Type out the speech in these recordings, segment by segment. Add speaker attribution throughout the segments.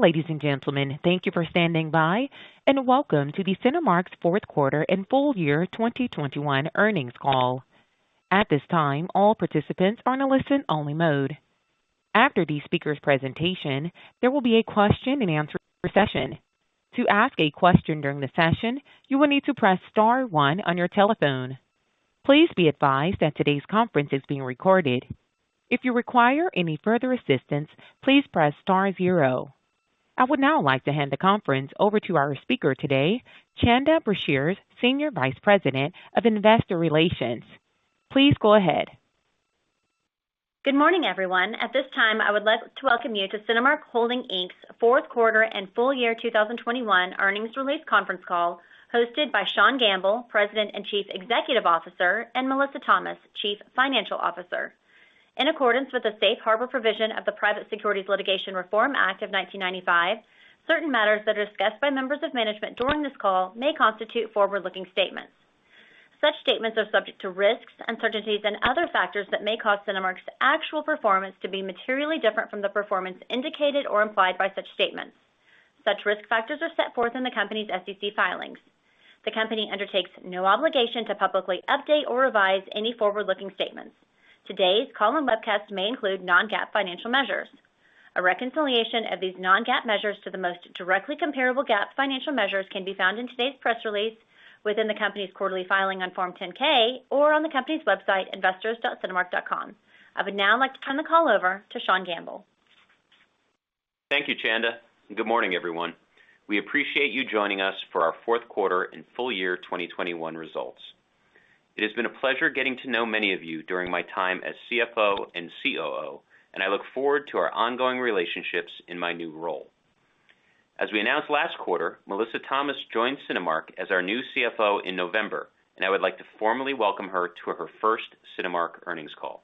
Speaker 1: Ladies and gentlemen, thank you for standing by and welcome to Cinemark's fourth quarter and full year 2021 earnings call. At this time, all participants are in a listen-only mode. After the speaker's presentation, there will be a question-and-answer session. To ask a question during the session, you will need to press star one on your telephone. Please be advised that today's conference is being recorded. If you require any further assistance, please press star zero. I would now like to hand the conference over to our speaker today, Chanda Brashears, Senior Vice President of Investor Relations. Please go ahead.
Speaker 2: Good morning, everyone. At this time, I would like to welcome you to Cinemark Holdings, Inc.'s fourth quarter and full year 2021 earnings release conference call hosted by Sean Gamble, President and Chief Executive Officer, and Melissa Thomas, Chief Financial Officer. In accordance with the safe harbor provision of the Private Securities Litigation Reform Act of 1995, certain matters that are discussed by members of management during this call may constitute forward-looking statements. Such statements are subject to risks, uncertainties, and other factors that may cause Cinemark's actual performance to be materially different from the performance indicated or implied by such statements. Such risk factors are set forth in the company's SEC filings. The company undertakes no obligation to publicly update or revise any forward-looking statements. Today's call and webcast may include non-GAAP financial measures. A reconciliation of these non-GAAP measures to the most directly comparable GAAP financial measures can be found in today's press release within the company's quarterly filing on Form 10-K or on the company's website, investors.cinemark.com. I would now like to turn the call over to Sean Gamble.
Speaker 3: Thank you, Chanda, and good morning, everyone. We appreciate you joining us for our fourth quarter and full year 2021 results. It has been a pleasure getting to know many of you during my time as CFO and COO, and I look forward to our ongoing relationships in my new role. As we announced last quarter, Melissa Thomas joined Cinemark as our new CFO in November, and I would like to formally welcome her to her first Cinemark earnings call.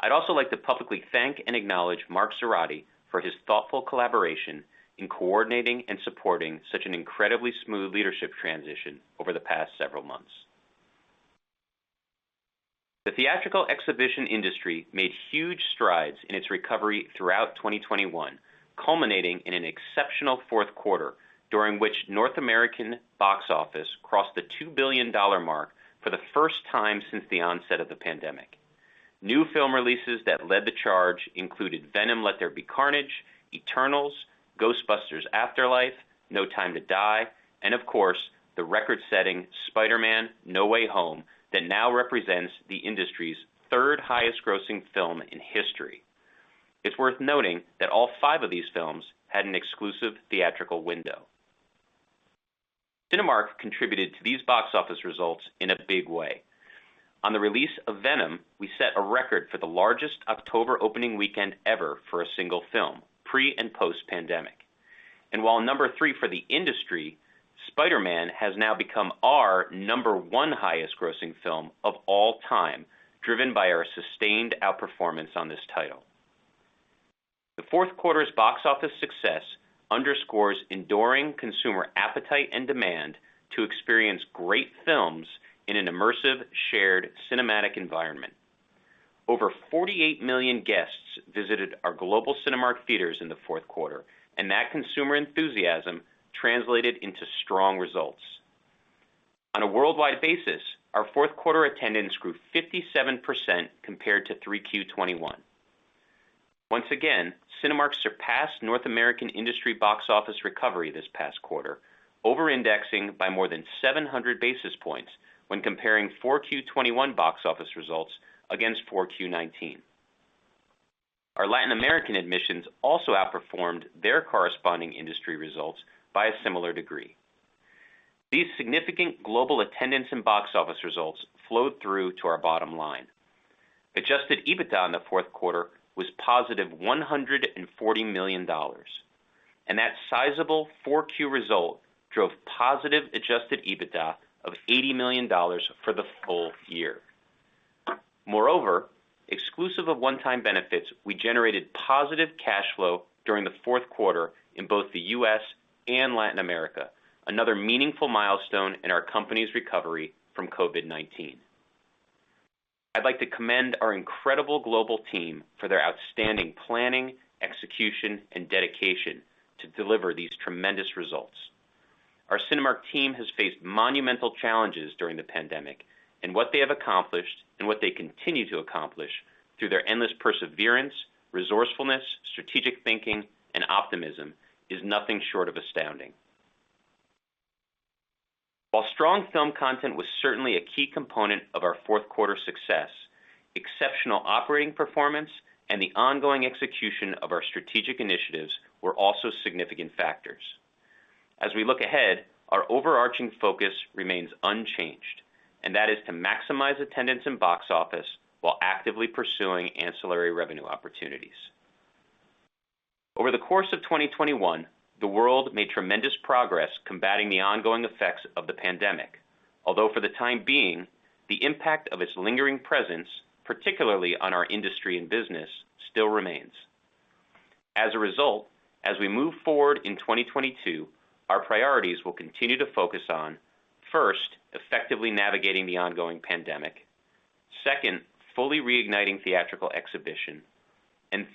Speaker 3: I'd also like to publicly thank and acknowledge Mark Zoradi for his thoughtful collaboration in coordinating and supporting such an incredibly smooth leadership transition over the past several months. The theatrical exhibition industry made huge strides in its recovery throughout 2021, culminating in an exceptional fourth quarter, during which North American box office crossed the $2 billion mark for the first time since the onset of the pandemic. New film releases that led the charge included Venom: Let There Be Carnage, Eternals, Ghostbusters: Afterlife, No Time to Die, and of course, the record-setting Spider-Man: No Way Home that now represents the industry's third highest grossing film in history. It's worth noting that all 5 of these films had an exclusive theatrical window. Cinemark contributed to these box office results in a big way. On the release of Venom, we set a record for the largest October opening weekend ever for a single film, pre- and post-pandemic. While number 3 for the industry, Spider-Man has now become our number 1 highest grossing film of all time, driven by our sustained outperformance on this title. The fourth quarter's box office success underscores enduring consumer appetite and demand to experience great films in an immersive, shared cinematic environment. Over 48 million guests visited our global Cinemark theaters in the fourth quarter, and that consumer enthusiasm translated into strong results. On a worldwide basis, our fourth quarter attendance grew 57% compared to 3Q 2021. Once again, Cinemark surpassed North American industry box office recovery this past quarter, over-indexing by more than 700 basis points when comparing 4Q 2021 box office results against 4Q 2019. Our Latin American admissions also outperformed their corresponding industry results by a similar degree. These significant global attendance and box office results flowed through to our bottom line. Adjusted EBITDA in the fourth quarter was positive $140 million. That sizable 4Q result drove positive Adjusted EBITDA of $80 million for the full year. Moreover, exclusive of one-time benefits, we generated positive cash flow during the fourth quarter in both the U.S. and Latin America, another meaningful milestone in our company's recovery from COVID-19. I'd like to commend our incredible global team for their outstanding planning, execution, and dedication to deliver these tremendous results. Our Cinemark team has faced monumental challenges during the pandemic, and what they have accomplished and what they continue to accomplish through their endless perseverance, resourcefulness, strategic thinking, and optimism is nothing short of astounding. While strong film content was certainly a key component of our fourth quarter success, exceptional operating performance and the ongoing execution of our strategic initiatives were also significant factors. As we look ahead, our overarching focus remains unchanged, and that is to maximize attendance in box office while actively pursuing ancillary revenue opportunities. Over the course of 2021, the world made tremendous progress combating the ongoing effects of the pandemic. Although for the time being, the impact of its lingering presence, particularly on our industry and business, still remains. As a result, as we move forward in 2022, our priorities will continue to focus on, first, effectively navigating the ongoing pandemic. Second, fully reigniting theatrical exhibition.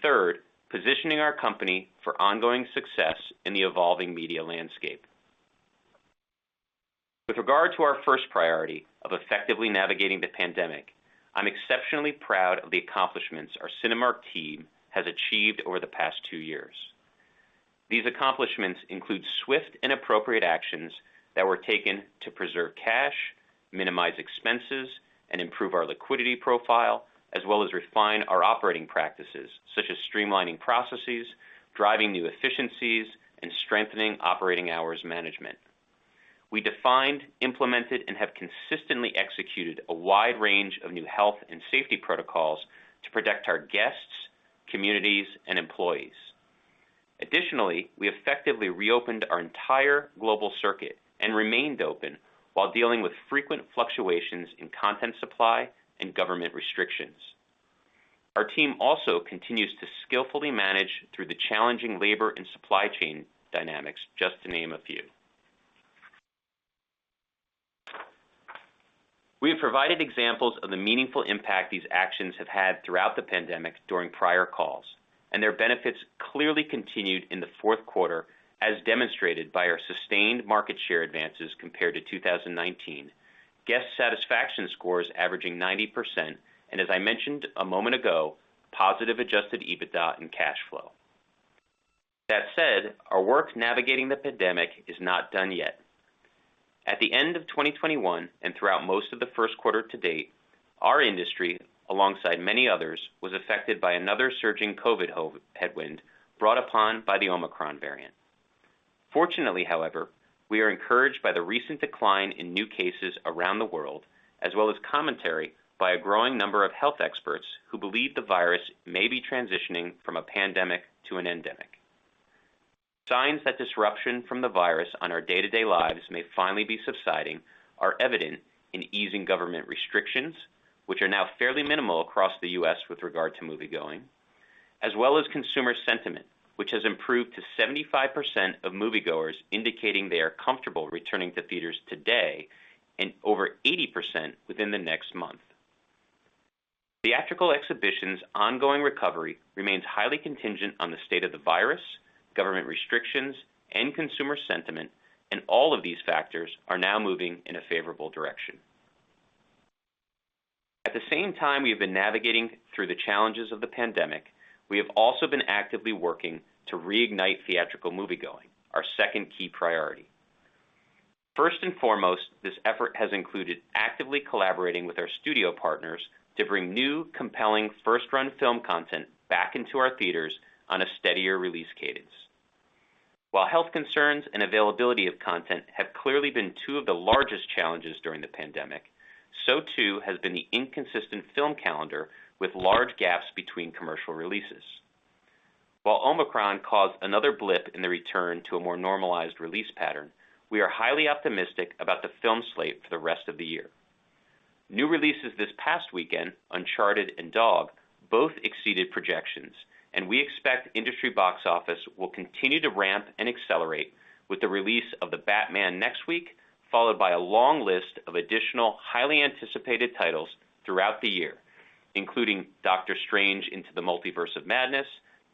Speaker 3: Third, positioning our company for ongoing success in the evolving media landscape. With regard to our first priority of effectively navigating the pandemic, I'm exceptionally proud of the accomplishments our Cinemark team has achieved over the past 2 years. These accomplishments include swift and appropriate actions that were taken to preserve cash, minimize expenses, and improve our liquidity profile, as well as refine our operating practices, such as streamlining processes, driving new efficiencies, and strengthening operating hours management. We defined, implemented, and have consistently executed a wide range of new health and safety protocols to protect our guests, communities, and employees. Additionally, we effectively reopened our entire global circuit and remained open while dealing with frequent fluctuations in content supply and government restrictions. Our team also continues to skillfully manage through the challenging labor and supply chain dynamics, just to name a few. We have provided examples of the meaningful impact these actions have had throughout the pandemic during prior calls, and their benefits clearly continued in the fourth quarter, as demonstrated by our sustained market share advances compared to 2019, guest satisfaction scores averaging 90%, and as I mentioned a moment ago, positive Adjusted EBITDA and cash flow. That said, our work navigating the pandemic is not done yet. At the end of 2021, and throughout most of the first quarter to date, our industry, alongside many others, was affected by another surging COVID headwind brought upon by the Omicron variant. Fortunately, however, we are encouraged by the recent decline in new cases around the world, as well as commentary by a growing number of health experts who believe the virus may be transitioning from a pandemic to an endemic. Signs that disruption from the virus on our day-to-day lives may finally be subsiding are evident in easing government restrictions, which are now fairly minimal across the U.S. with regard to moviegoing, as well as consumer sentiment, which has improved to 75% of moviegoers indicating they are comfortable returning to theaters today and over 80% within the next month. Theatrical exhibition's ongoing recovery remains highly contingent on the state of the virus, government restrictions, and consumer sentiment, and all of these factors are now moving in a favorable direction. At the same time we have been navigating through the challenges of the pandemic, we have also been actively working to reignite theatrical moviegoing, our second key priority. First and foremost, this effort has included actively collaborating with our studio partners to bring new, compelling first-run film content back into our theaters on a steadier release cadence. While health concerns and availability of content have clearly been two of the largest challenges during the pandemic, so too has been the inconsistent film calendar with large gaps between commercial releases. While Omicron caused another blip in the return to a more normalized release pattern, we are highly optimistic about the film slate for the rest of the year. New releases this past weekend, Uncharted and Dog, both exceeded projections, and we expect industry box office will continue to ramp and accelerate with the release of The Batman next week, followed by a long list of additional highly anticipated titles throughout the year, including Doctor Strange in the Multiverse of Madness,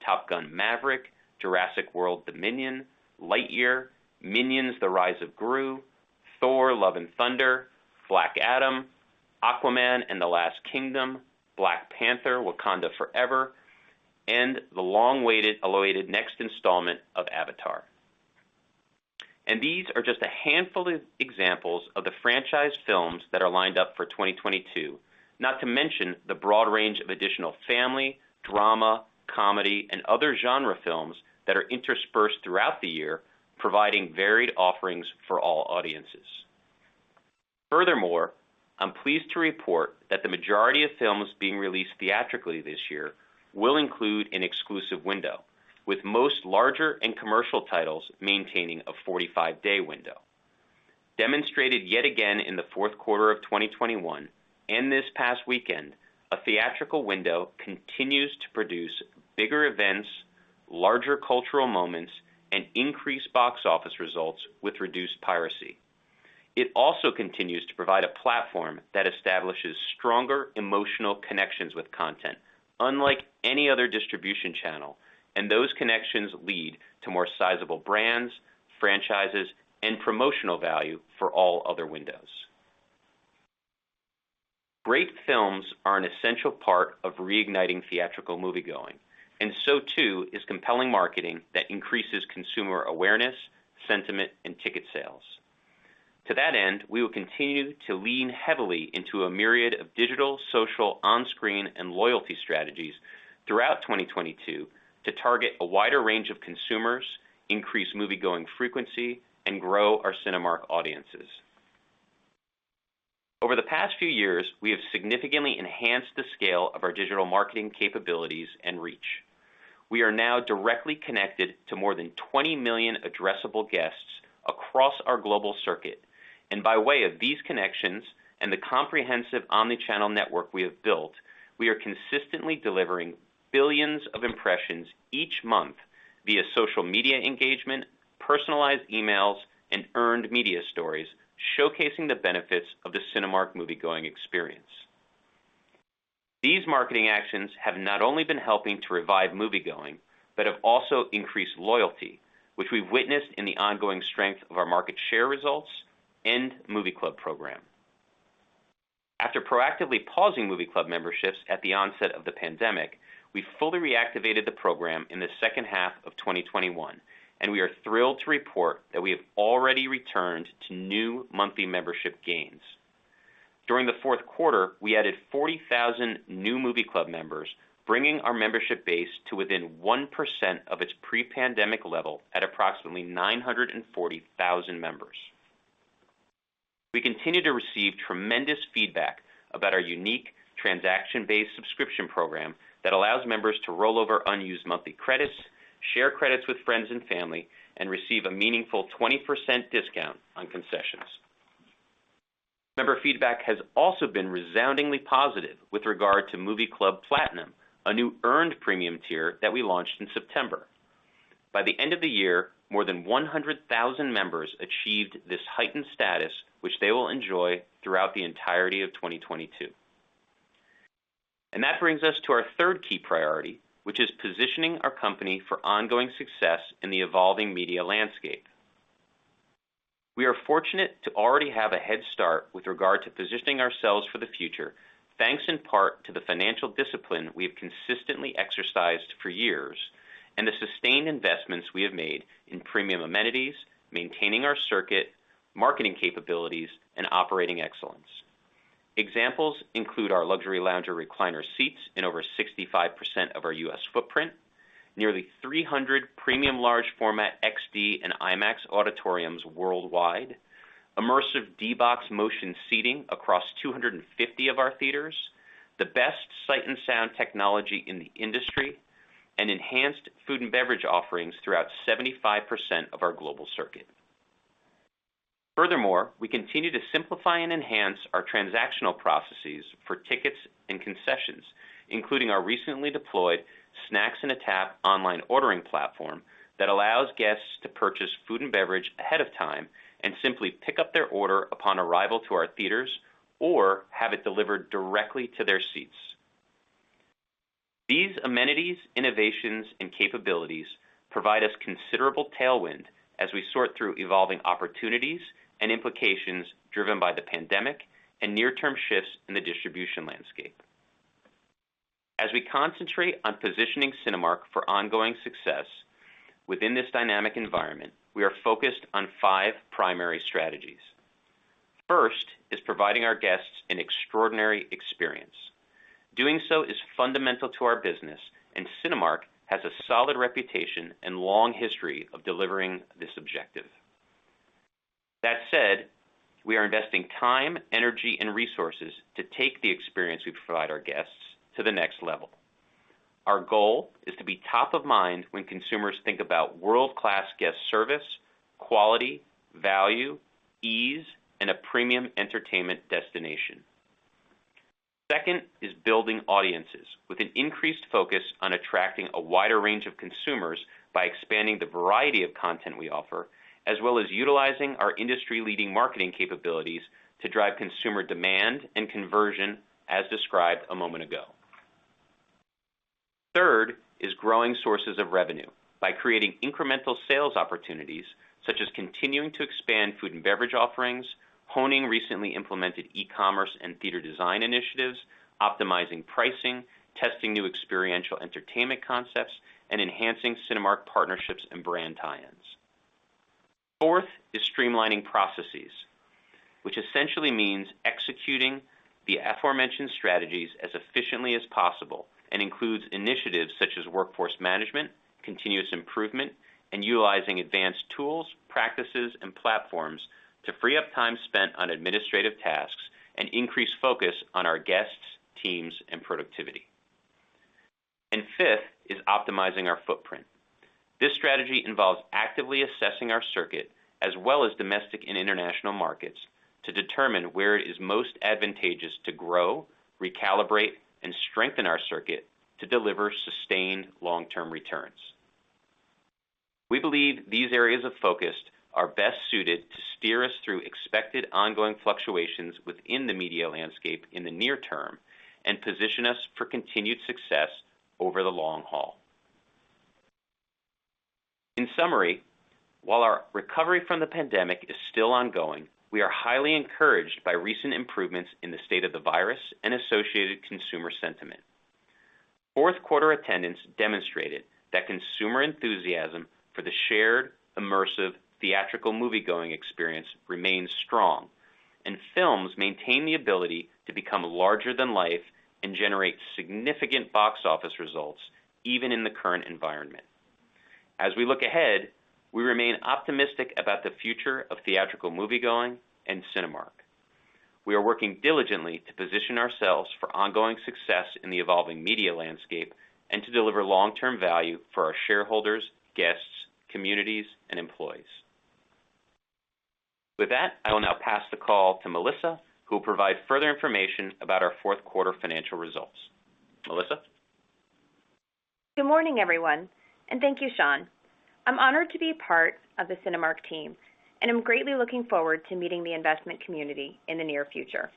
Speaker 3: Top Gun: Maverick, Jurassic World Dominion, Lightyear, Minions: The Rise of Gru, Thor: Love and Thunder, Black Adam, Aquaman and the Lost Kingdom, Black Panther: Wakanda Forever, and the long-awaited next installment of Avatar. These are just a handful of examples of the franchise films that are lined up for 2022, not to mention the broad range of additional family, drama, comedy, and other genre films that are interspersed throughout the year, providing varied offerings for all audiences. Furthermore, I'm pleased to report that the majority of films being released theatrically this year will include an exclusive window, with most larger and commercial titles maintaining a 45-day window. Demonstrated yet again in the fourth quarter of 2021 and this past weekend, a theatrical window continues to produce bigger events, larger cultural moments, and increased box office results with reduced piracy. It also continues to provide a platform that establishes stronger emotional connections with content, unlike any other distribution channel, and those connections lead to more sizable brands, franchises, and promotional value for all other windows. Great films are an essential part of reigniting theatrical moviegoing, and so too is compelling marketing that increases consumer awareness, sentiment, and ticket sales. To that end, we will continue to lean heavily into a myriad of digital, social, on-screen, and loyalty strategies throughout 2022 to target a wider range of consumers, increase moviegoing frequency, and grow our Cinemark audiences. Over the past few years, we have significantly enhanced the scale of our digital marketing capabilities and reach. We are now directly connected to more than 20 million addressable guests across our global circuit. By way of these connections and the comprehensive omni-channel network we have built, we are consistently delivering billions of impressions each month via social media engagement, personalized emails, and earned media stories showcasing the benefits of the Cinemark moviegoing experience. These marketing actions have not only been helping to revive moviegoing, but have also increased loyalty, which we've witnessed in the ongoing strength of our market share results and Movie Club program. After proactively pausing Movie Club memberships at the onset of the pandemic, we fully reactivated the program in the second half of 2021, and we are thrilled to report that we have already returned to new monthly membership gains. During the fourth quarter, we added 40,000 new Movie Club members, bringing our membership base to within 1% of its pre-pandemic level at approximately 940,000 members. We continue to receive tremendous feedback about our unique transaction-based subscription program that allows members to roll over unused monthly credits, share credits with friends and family, and receive a meaningful 20% discount on concessions. Member feedback has also been resoundingly positive with regard to Movie Club Platinum, a new earned premium tier that we launched in September. By the end of the year, more than 100,000 members achieved this heightened status, which they will enjoy throughout the entirety of 2022. That brings us to our third key priority, which is positioning our company for ongoing success in the evolving media landscape. We are fortunate to already have a head start with regard to positioning ourselves for the future, thanks in part to the financial discipline we have consistently exercised for years and the sustained investments we have made in premium amenities, maintaining our circuit, marketing capabilities, and operating excellence. Examples include our luxury lounger recliner seats in over 65% of our U.S. footprint, nearly 300 premium large format XD and IMAX auditoriums worldwide, immersive D-BOX motion seating across 250 of our theaters, the best sight and sound technology in the industry, and enhanced food and beverage offerings throughout 75% of our global circuit. Furthermore, we continue to simplify and enhance our transactional processes for tickets and concessions, including our recently deployed Snacks in a Tap online ordering platform that allows guests to purchase food and beverage ahead of time and simply pick up their order upon arrival to our theaters or have it delivered directly to their seats. These amenities, innovations, and capabilities provide us considerable tailwind as we sort through evolving opportunities and implications driven by the pandemic and near-term shifts in the distribution landscape. As we concentrate on positioning Cinemark for ongoing success within this dynamic environment, we are focused on five primary strategies. First is providing our guests an extraordinary experience. Doing so is fundamental to our business, and Cinemark has a solid reputation and long history of delivering this objective. That said, we are investing time, energy, and resources to take the experience we provide our guests to the next level. Our goal is to be top of mind when consumers think about world-class guest service, quality, value, ease, and a premium entertainment destination. Second is building audiences with an increased focus on attracting a wider range of consumers by expanding the variety of content we offer, as well as utilizing our industry-leading marketing capabilities to drive consumer demand and conversion, as described a moment ago. Third is growing sources of revenue by creating incremental sales opportunities, such as continuing to expand food and beverage offerings, honing recently implemented e-commerce and theater design initiatives, optimizing pricing, testing new experiential entertainment concepts, and enhancing Cinemark partnerships and brand tie-ins. Fourth is streamlining processes, which essentially means executing the aforementioned strategies as efficiently as possible and includes initiatives such as workforce management, continuous improvement, and utilizing advanced tools, practices, and platforms to free up time spent on administrative tasks and increase focus on our guests, teams, and productivity. Fifth is optimizing our footprint. This strategy involves actively assessing our circuit as well as domestic and international markets to determine where it is most advantageous to grow, recalibrate, and strengthen our circuit to deliver sustained long-term returns. We believe these areas of focus are best suited to steer us through expected ongoing fluctuations within the media landscape in the near term and position us for continued success over the long haul. In summary, while our recovery from the pandemic is still ongoing, we are highly encouraged by recent improvements in the state of the virus and associated consumer sentiment. Fourth quarter attendance demonstrated that consumer enthusiasm for the shared, immersive theatrical moviegoing experience remains strong, and films maintain the ability to become larger than life and generate significant box office results even in the current environment. As we look ahead, we remain optimistic about the future of theatrical moviegoing and Cinemark. We are working diligently to position ourselves for ongoing success in the evolving media landscape and to deliver long-term value for our shareholders, guests, communities, and employees. With that, I will now pass the call to Melissa, who will provide further information about our fourth quarter financial results. Melissa?
Speaker 4: Good morning, everyone, and thank you, Sean. I'm honored to be part of the Cinemark team, and I'm greatly looking forward to meeting the investment community in the near future.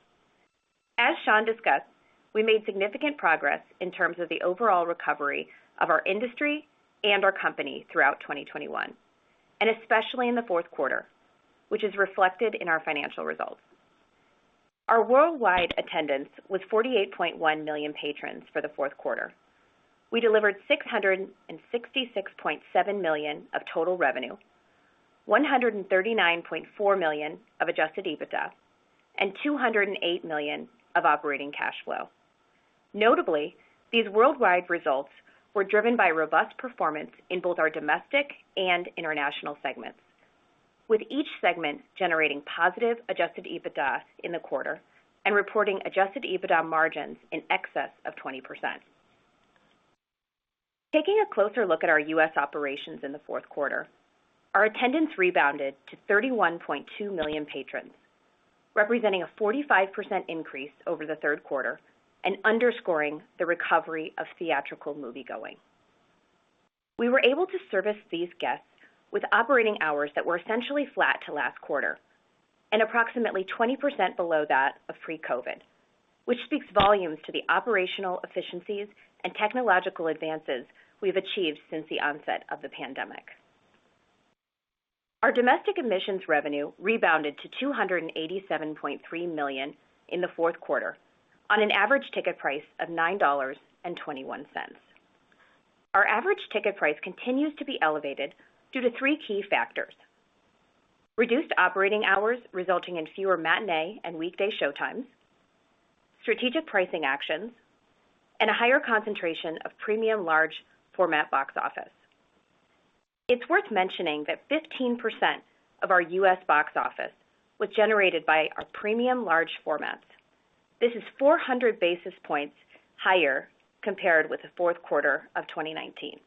Speaker 4: As Sean discussed, we made significant progress in terms of the overall recovery of our industry and our company throughout 2021, and especially in the fourth quarter, which is reflected in our financial results. Our worldwide attendance was 48.1 million patrons for the fourth quarter. We delivered $666.7 million of total revenue, $139.4 million of Adjusted EBITDA, and $208 million of operating cash flow. Notably, these worldwide results were driven by robust performance in both our domestic and international segments, with each segment generating positive Adjusted EBITDA in the quarter and reporting Adjusted EBITDA margins in excess of 20%. Taking a closer look at our U.S. operations in the fourth quarter, our attendance rebounded to 31.2 million patrons, representing a 45% increase over the third quarter and underscoring the recovery of theatrical moviegoing. We were able to service these guests with operating hours that were essentially flat to last quarter and approximately 20% below that of pre-COVID, which speaks volumes to the operational efficiencies and technological advances we've achieved since the onset of the pandemic. Our domestic admissions revenue rebounded to $287.3 million in the fourth quarter on an average ticket price of $9.21. Our average ticket price continues to be elevated due to three key factors, reduced operating hours, resulting in fewer matinee and weekday showtimes, strategic pricing actions, and a higher concentration of premium large format box office. It's worth mentioning that 15% of our U.S. box office was generated by our premium large formats. This is 400 basis points higher compared with the fourth quarter of 2019.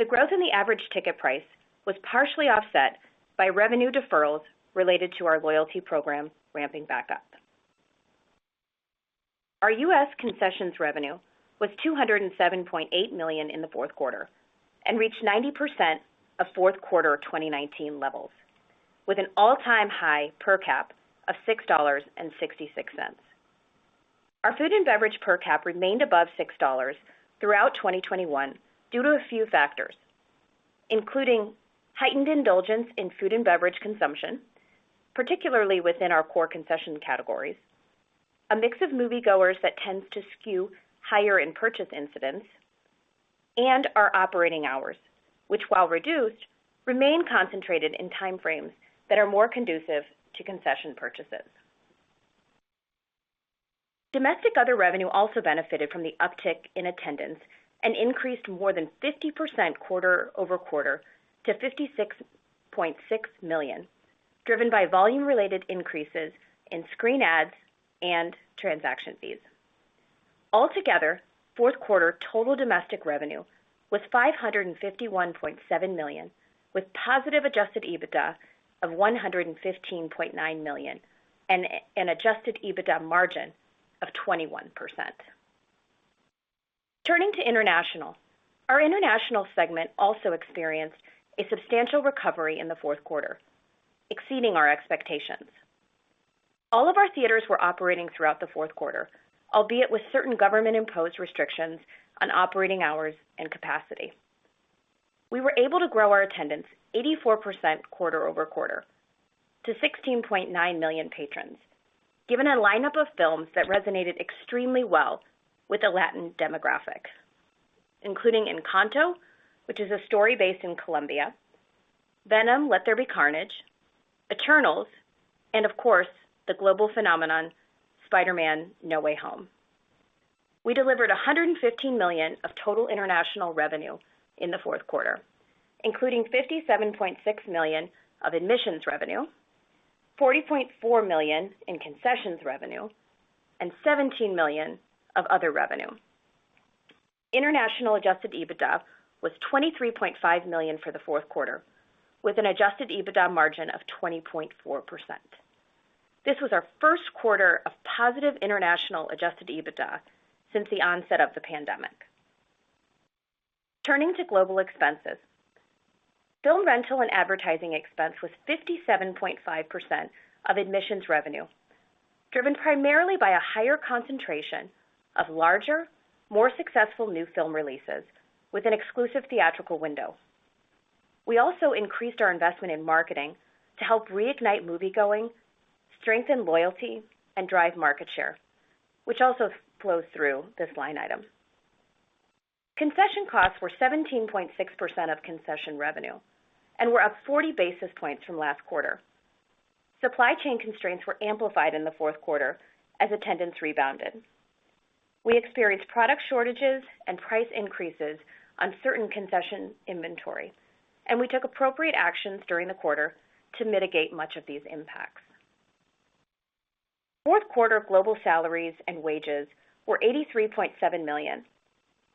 Speaker 4: The growth in the average ticket price was partially offset by revenue deferrals related to our loyalty program ramping back up. Our U.S. concessions revenue was $207.8 million in the fourth quarter and reached 90% of fourth quarter 2019 levels with an all-time high per cap of $6.66. Our food and beverage per cap remained above $6 throughout 2021 due to a few factors, including heightened indulgence in food and beverage consumption, particularly within our core concession categories, a mix of moviegoers that tends to skew higher in purchase incidents, and our operating hours, which, while reduced, remain concentrated in time frames that are more conducive to concession purchases. Domestic other revenue also benefited from the uptick in attendance and increased more than 50% quarter-over-quarter to $56.6 million, driven by volume-related increases in screen ads and transaction fees. Altogether, fourth quarter total domestic revenue was $551.7 million, with positive Adjusted EBITDA of $115.9 million and an Adjusted EBITDA margin of 21%. Turning to international. Our international segment also experienced a substantial recovery in the fourth quarter, exceeding our expectations. All of our theaters were operating throughout the fourth quarter, albeit with certain government-imposed restrictions on operating hours and capacity. We were able to grow our attendance 84% quarter-over-quarter to 16.9 million patrons, given a lineup of films that resonated extremely well with the Latin demographic, including Encanto, which is a story based in Colombia, Venom: Let There Be Carnage, Eternals, and of course, the global phenomenon, Spider-Man: No Way Home. We delivered $115 million of total international revenue in the fourth quarter, including $57.6 million of admissions revenue, $40.4 million in concessions revenue, and $17 million of other revenue. International Adjusted EBITDA was $23.5 million for the fourth quarter, with an Adjusted EBITDA margin of 20.4%. This was our first quarter of positive international Adjusted EBITDA since the onset of the pandemic. Turning to global expenses. Film rental and advertising expense was 57.5% of admissions revenue, driven primarily by a higher concentration of larger, more successful new film releases with an exclusive theatrical window. We also increased our investment in marketing to help reignite moviegoing, strengthen loyalty, and drive market share, which also flows through this line item. Concession costs were 17.6% of concession revenue and were up 40 basis points from last quarter. Supply chain constraints were amplified in the fourth quarter as attendance rebounded. We experienced product shortages and price increases on certain concession inventory, and we took appropriate actions during the quarter to mitigate much of these impacts. Fourth quarter global salaries and wages were $83.7 million,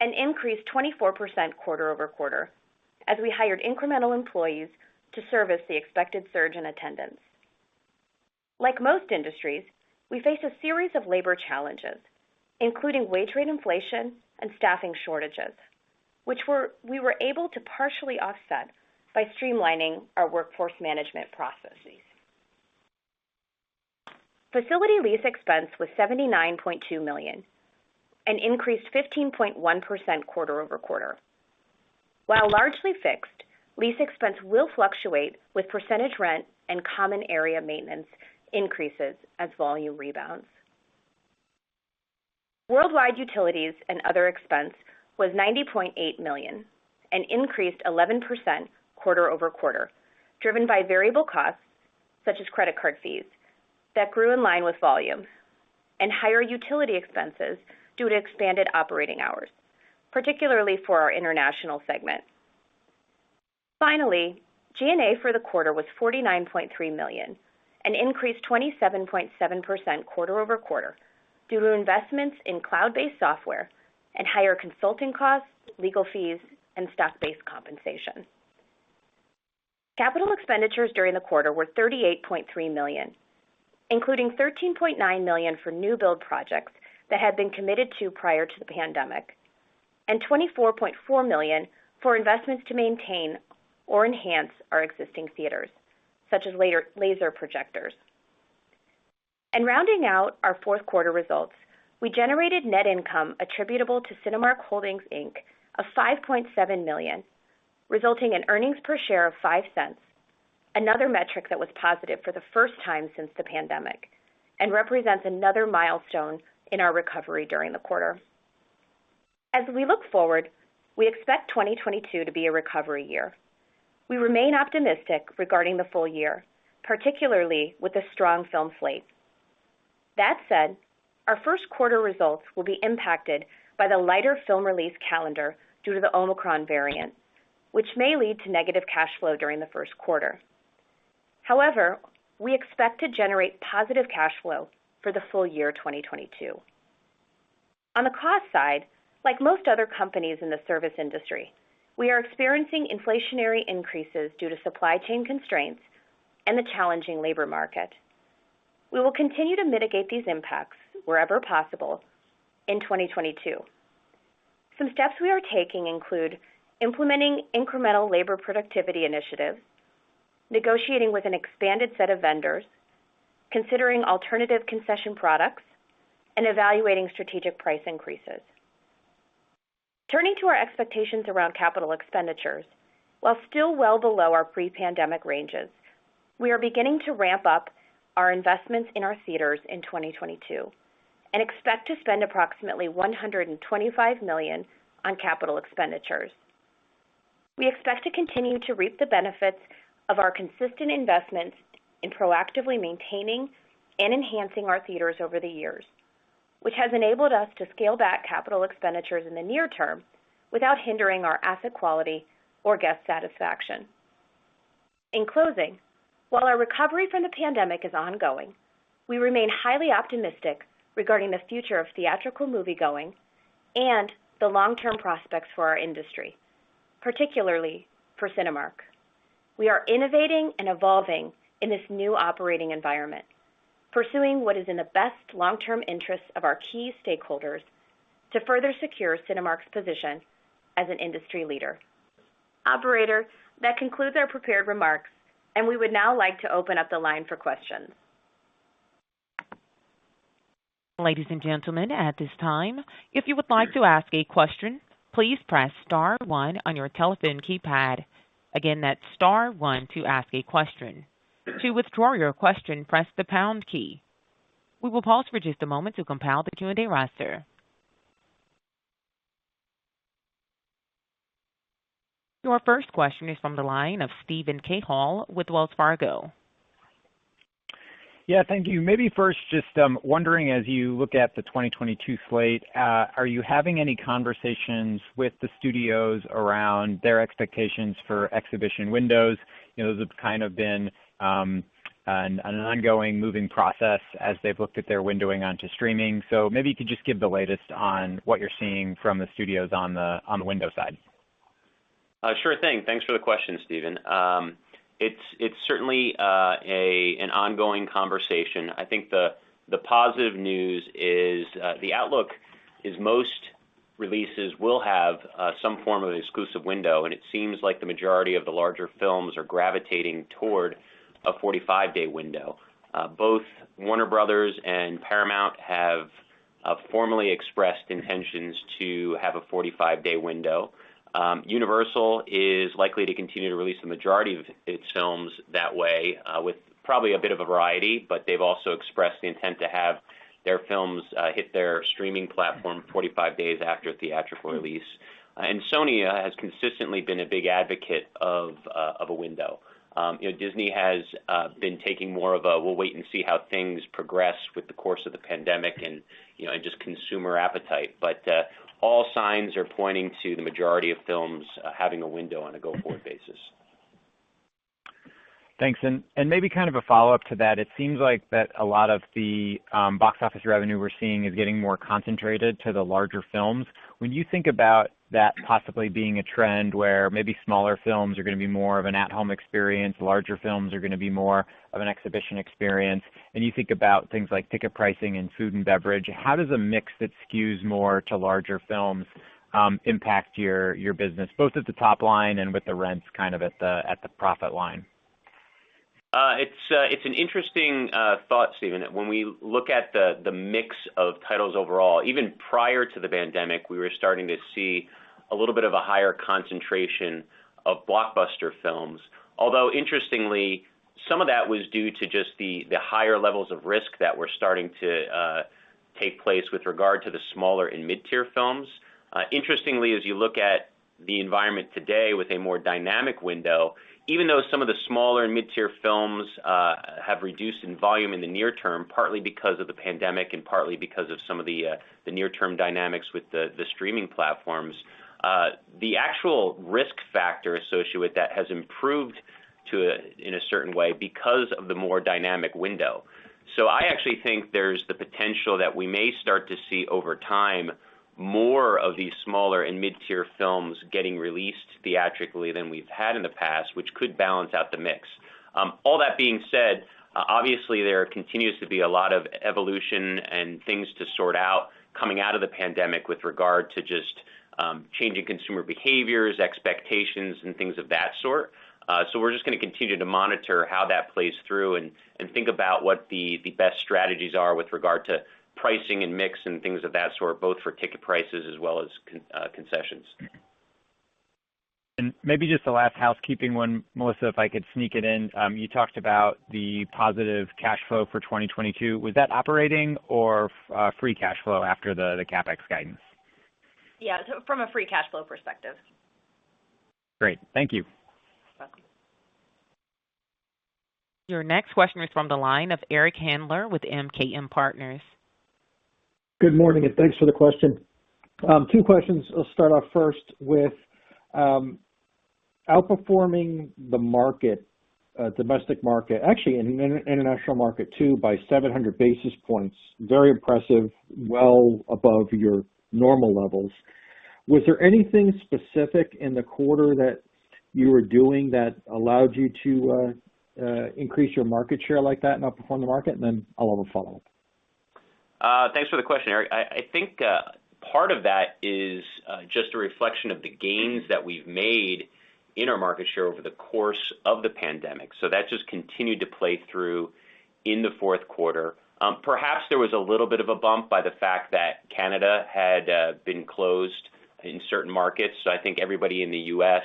Speaker 4: a 24% increase quarter-over-quarter as we hired incremental employees to service the expected surge in attendance. Like most industries, we face a series of labor challenges, including wage rate inflation and staffing shortages, we were able to partially offset by streamlining our workforce management processes. Facility lease expense was $79.2 million, an increase 15.1% quarter-over-quarter. While largely fixed, lease expense will fluctuate with percentage rent and common area maintenance increases as volume rebounds. Worldwide utilities and other expense was $90.8 million, an increase 11% quarter-over-quarter, driven by variable costs such as credit card fees that grew in line with volume and higher utility expenses due to expanded operating hours, particularly for our international segment. Finally, G&A for the quarter was $49.3 million, an increase 27.7% quarter-over-quarter due to investments in cloud-based software and higher consulting costs, legal fees, and stock-based compensation. Capital expenditures during the quarter were $38.3 million, including $13.9 million for new build projects that had been committed to prior to the pandemic, and $24.4 million for investments to maintain or enhance our existing theaters, such as laser projectors. Rounding out our fourth quarter results, we generated net income attributable to Cinemark Holdings Inc., of $5.7 million, resulting in earnings per share of $0.05, another metric that was positive for the first time since the pandemic, and represents another milestone in our recovery during the quarter. As we look forward, we expect 2022 to be a recovery year. We remain optimistic regarding the full year, particularly with a strong film slate. That said, our first quarter results will be impacted by the lighter film release calendar due to the Omicron variant, which may lead to negative cash flow during the first quarter. However, we expect to generate positive cash flow for the full year 2022. On the cost side, like most other companies in the service industry, we are experiencing inflationary increases due to supply chain constraints and the challenging labor market. We will continue to mitigate these impacts wherever possible in 2022. Some steps we are taking include implementing incremental labor productivity initiatives, negotiating with an expanded set of vendors, considering alternative concession products, and evaluating strategic price increases. Turning to our expectations around capital expenditures. While still well below our pre-pandemic ranges, we are beginning to ramp up our investments in our theaters in 2022 and expect to spend approximately $125 million on capital expenditures. We expect to continue to reap the benefits of our consistent investments in proactively maintaining and enhancing our theaters over the years, which has enabled us to scale back capital expenditures in the near term without hindering our asset quality or guest satisfaction. In closing, while our recovery from the pandemic is ongoing, we remain highly optimistic regarding the future of theatrical moviegoing and the long-term prospects for our industry, particularly for Cinemark. We are innovating and evolving in this new operating environment, pursuing what is in the best long-term interests of our key stakeholders to further secure Cinemark's position as an industry leader. Operator, that concludes our prepared remarks, and we would now like to open up the line for questions.
Speaker 1: Ladies and gentlemen, at this time, if you would like to ask a question, please press star one on your telephone keypad. Again, that's star one to ask a question. To withdraw your question, press the pound key. We will pause for just a moment to compile the Q&A roster. Your first question is from the line of Steven Cahall with Wells Fargo.
Speaker 5: Yeah. Thank you. Maybe first, just wondering, as you look at the 2022 slate, are you having any conversations with the studios around their expectations for exhibition windows? You know, those have kind of been an ongoing moving process as they've looked at their windowing onto streaming. Maybe you could just give the latest on what you're seeing from the studios on the window side.
Speaker 3: Sure thing. Thanks for the question, Steven. It's certainly an ongoing conversation. I think the positive news is the outlook is most releases will have some form of an exclusive window, and it seems like the majority of the larger films are gravitating toward a 45-day window. Both Warner Bros. and Paramount have formally expressed intentions to have a 45-day window. Universal is likely to continue to release the majority of its films that way, with probably a bit of a variety, but they've also expressed the intent to have their films hit their streaming platform 45 days after theatrical release. Sony has consistently been a big advocate of a window. You know, Disney has been taking more of a we'll wait and see how things progress with the course of the pandemic and, you know, and just consumer appetite. All signs are pointing to the majority of films having a window on a go-forward basis.
Speaker 5: Thanks. Maybe kind of a follow-up to that, it seems like a lot of the box office revenue we're seeing is getting more concentrated to the larger films. When you think about that possibly being a trend where maybe smaller films are gonna be more of an at-home experience, larger films are gonna be more of an exhibition experience, and you think about things like ticket pricing and food and beverage, how does a mix that skews more to larger films impact your business, both at the top line and with the rents kind of at the profit line?
Speaker 3: It's an interesting thought, Steven, when we look at the mix of titles overall. Even prior to the pandemic, we were starting to see a little bit of a higher concentration of blockbuster films. Although interestingly, some of that was due to just the higher levels of risk that were starting to take place with regard to the smaller and mid-tier films. Interestingly, as you look at the environment today with a more dynamic window, even though some of the smaller and mid-tier films have reduced in volume in the near term, partly because of the pandemic and partly because of some of the near-term dynamics with the streaming platforms, the actual risk factor associated with that has improved in a certain way because of the more dynamic window. I actually think there's the potential that we may start to see over time more of these smaller and mid-tier films getting released theatrically than we've had in the past, which could balance out the mix. All that being said, obviously there continues to be a lot of evolution and things to sort out coming out of the pandemic with regard to just, changing consumer behaviors, expectations, and things of that sort. We're just gonna continue to monitor how that plays through and think about what the best strategies are with regard to pricing and mix and things of that sort, both for ticket prices as well as concessions.
Speaker 5: Maybe just the last housekeeping one, Melissa, if I could sneak it in. You talked about the positive cash flow for 2022. Was that operating or free cash flow after the CapEx guidance?
Speaker 4: Yeah, from a free cash flow perspective.
Speaker 5: Great. Thank you.
Speaker 4: You're welcome.
Speaker 1: Your next question is from the line of Eric Handler with MKM Partners.
Speaker 6: Good morning, and thanks for the question. Two questions. I'll start off first with outperforming the market, domestic market, actually in international market too, by 700 basis points, very impressive, well above your normal levels. Was there anything specific in the quarter that you were doing that allowed you to increase your market share like that and outperform the market? Then I'll have a follow-up.
Speaker 3: Thanks for the question, Eric. I think part of that is just a reflection of the gains that we've made in our market share over the course of the pandemic. That just continued to play through in the fourth quarter. Perhaps there was a little bit of a bump by the fact that Canada had been closed in certain markets. I think everybody in the U.S.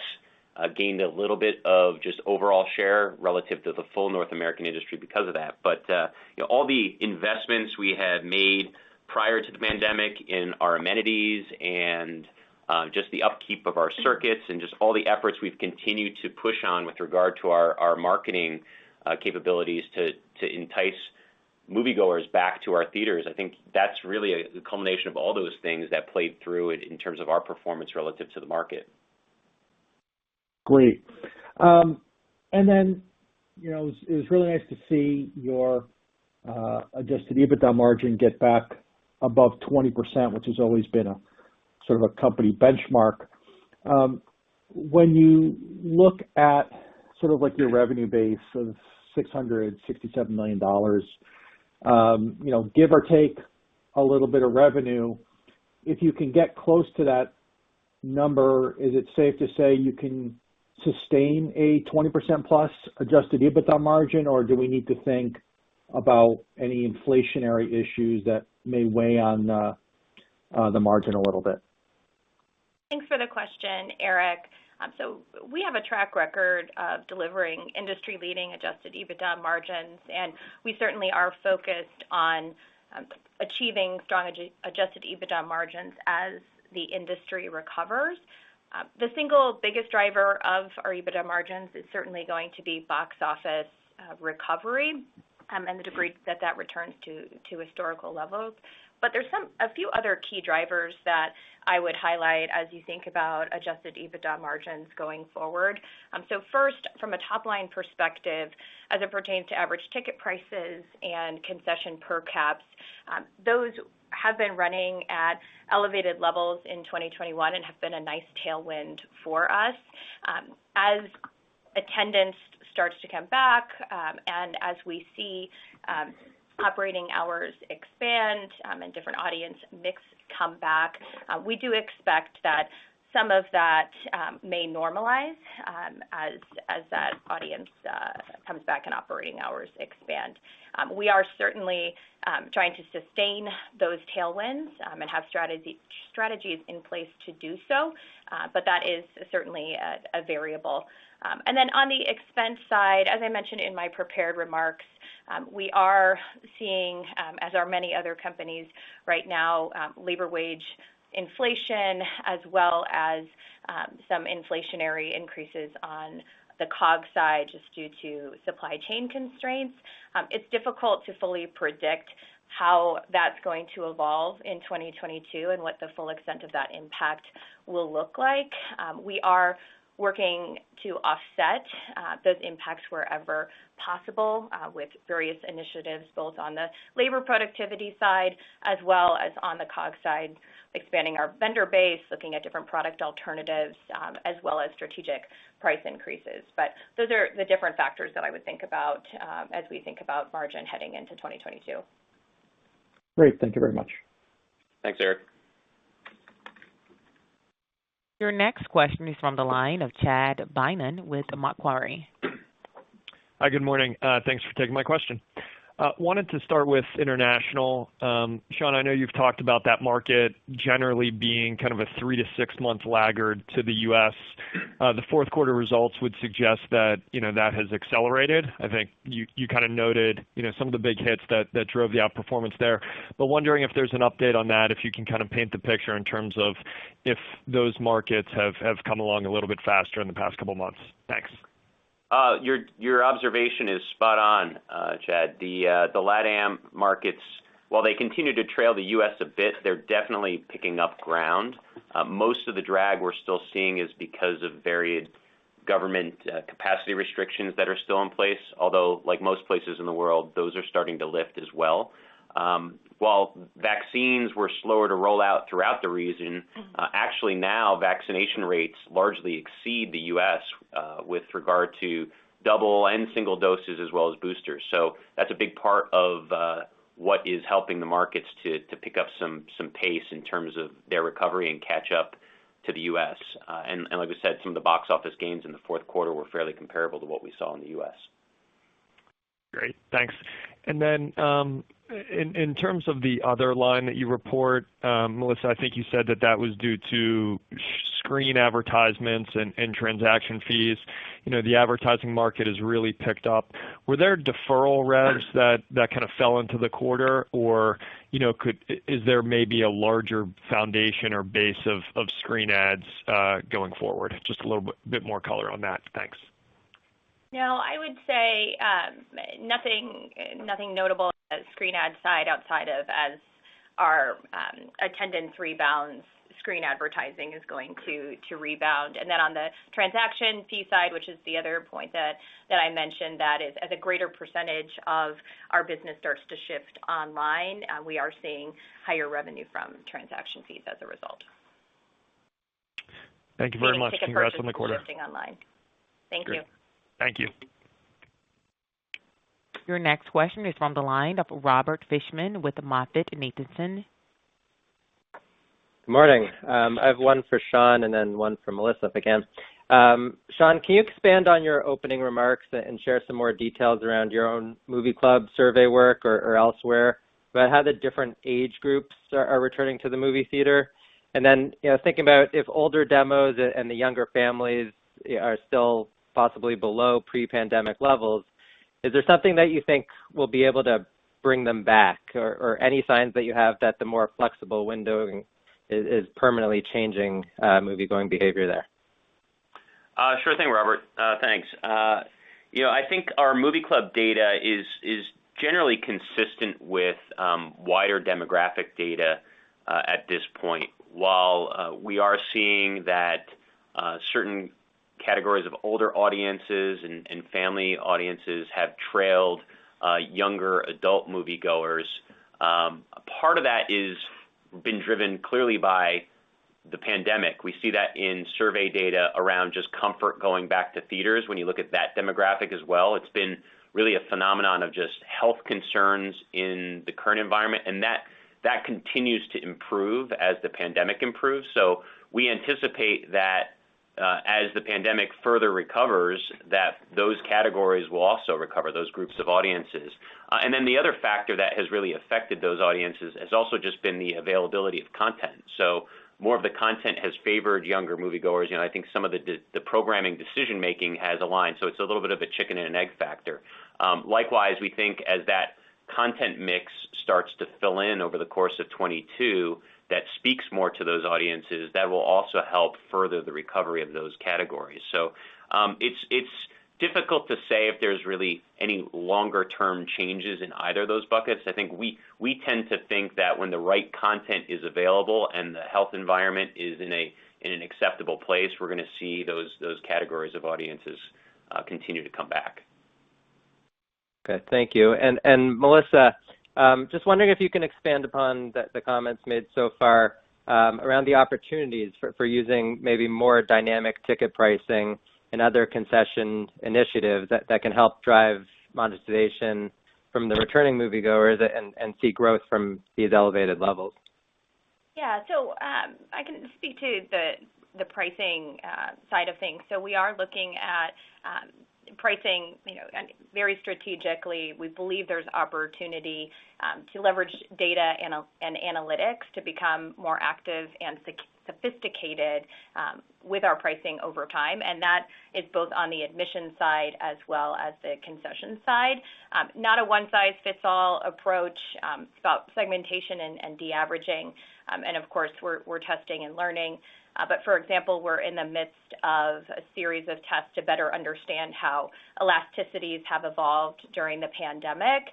Speaker 3: gained a little bit of just overall share relative to the full North American industry because of that. All the investments we had made prior to the pandemic in our amenities and, just the upkeep of our circuits and just all the efforts we've continued to push on with regard to our marketing capabilities to entice moviegoers back to our theaters, I think that's really a culmination of all those things that played through in terms of our performance relative to the market.
Speaker 6: Great. It was really nice to see your Adjusted EBITDA margin get back above 20%, which has always been sort of a company benchmark. When you look at sort of like your revenue base of $667 million, you know, give or take a little bit of revenue, if you can get close to that number, is it safe to say you can sustain a 20%+ Adjusted EBITDA margin, or do we need to think about any inflationary issues that may weigh on the margin a little bit?
Speaker 4: Thanks for the question, Eric. We have a track record of delivering industry-leading Adjusted EBITDA margins, and we certainly are focused on achieving strong Adjusted EBITDA margins as the industry recovers. The single biggest driver of our EBITDA margins is certainly going to be box office recovery, and the degree that that returns to historical levels. There's a few other key drivers that I would highlight as you think about Adjusted EBITDA margins going forward. First, from a top-line perspective, as it pertains to average ticket prices and concession per caps, those have been running at elevated levels in 2021 and have been a nice tailwind for us. As attendance starts to come back, and as we see operating hours expand, and different audience mix come back, we do expect that some of that may normalize, as that audience comes back and operating hours expand. We are certainly trying to sustain those tailwinds, and have strategies in place to do so. But that is certainly a variable. Then on the expense side, as I mentioned in my prepared remarks, we are seeing, as are many other companies right now, labor wage inflation as well as some inflationary increases on the COG side just due to supply chain constraints. It's difficult to fully predict how that's going to evolve in 2022 and what the full extent of that impact will look like. We are working to offset those impacts wherever possible with various initiatives, both on the labor productivity side as well as on the COG side, expanding our vendor base, looking at different product alternatives, as well as strategic price increases. Those are the different factors that I would think about as we think about margin heading into 2022.
Speaker 6: Great. Thank you very much.
Speaker 3: Thanks, Eric.
Speaker 1: Your next question is from the line of Chad Beynon with Macquarie.
Speaker 7: Hi, good morning. Thanks for taking my question. Wanted to start with international. Sean, I know you've talked about that market generally being kind of a 3-6 month laggard to the U.S. The fourth quarter results would suggest that, you know, that has accelerated. I think you kinda noted, you know, some of the big hits that drove the outperformance there. Wondering if there's an update on that, if you can kinda paint the picture in terms of if those markets have come along a little bit faster in the past couple months. Thanks.
Speaker 3: Your observation is spot on, Chad. The LATAM markets, while they continue to trail the U.S. a bit, they're definitely picking up ground. Most of the drag we're still seeing is because of varied government capacity restrictions that are still in place, although like most places in the world, those are starting to lift as well. While vaccines were slower to roll out throughout the region.
Speaker 4: Mm-hmm.
Speaker 3: Actually now vaccination rates largely exceed the U.S. with regard to double and single doses as well as boosters. That's a big part of what is helping the markets to pick up some pace in terms of their recovery and catch up to the U.S. Like we said, some of the box office gains in the fourth quarter were fairly comparable to what we saw in the U.S.
Speaker 7: Great. Thanks. In terms of the other line that you report, Melissa, I think you said that was due to screen advertisements and transaction fees. You know, the advertising market has really picked up. Were there deferral revs that kinda fell into the quarter or, you know, is there maybe a larger foundation or base of screen ads going forward? Just a little bit more color on that. Thanks.
Speaker 4: No, I would say, nothing notable on the screen ad side outside of as our attendance rebounds, screen advertising is going to rebound. On the transaction fee side, which is the other point that I mentioned, that is as a greater percentage of our business starts to shift online, we are seeing higher revenue from transaction fees as a result.
Speaker 7: Thank you very much.
Speaker 4: Ticket purchases.
Speaker 7: Congrats on the quarter.
Speaker 4: Shifting online. Thank you.
Speaker 7: Great. Thank you.
Speaker 1: Your next question is from the line of Robert Fishman with MoffettNathanson.
Speaker 8: Good morning. I have one for Sean and then one for Melissa if I can. Sean, can you expand on your opening remarks and share some more details around your own Movie Club survey work or elsewhere about how the different age groups are returning to the movie theater? You know, thinking about if older demos and the younger families, you know, are still possibly below pre-pandemic levels, is there something that you think will be able to bring them back or any signs that you have that the more flexible windowing is permanently changing moviegoing behavior there?
Speaker 3: Sure thing, Robert. Thanks. You know, I think our Movie Club data is generally consistent with wider demographic data at this point. While we are seeing that certain categories of older audiences and family audiences have trailed younger adult moviegoers, a part of that has been driven clearly by the pandemic. We see that in survey data around just comfort going back to theaters when you look at that demographic as well. It's been really a phenomenon of just health concerns in the current environment, and that continues to improve as the pandemic improves. We anticipate that as the pandemic further recovers, that those categories will also recover, those groups of audiences. The other factor that has really affected those audiences has also just been the availability of content. More of the content has favored younger moviegoers. You know, I think some of the programming decision-making has aligned, so it's a little bit of a chicken and an egg factor. Likewise, we think as that content mix starts to fill in over the course of 2022, that speaks more to those audiences. That will also help further the recovery of those categories. It's difficult to say if there's really any longer term changes in either of those buckets. I think we tend to think that when the right content is available and the health environment is in an acceptable place, we're gonna see those categories of audiences continue to come back.
Speaker 8: Okay. Thank you. Melissa, just wondering if you can expand upon the comments made so far around the opportunities for using maybe more dynamic ticket pricing and other concession initiatives that can help drive monetization from the returning moviegoers and see growth from these elevated levels.
Speaker 4: I can speak to the pricing side of things. We are looking at Pricing, you know, and very strategically, we believe there's opportunity to leverage data and analytics to become more active and sophisticated with our pricing over time, and that is both on the admission side as well as the concession side. Not a one-size-fits-all approach, it's about segmentation and de-averaging. Of course, we're testing and learning, but for example, we're in the midst of a series of tests to better understand how elasticities have evolved during the pandemic